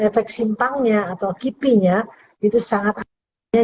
efek simpangnya atau kipinya itu sangat aneh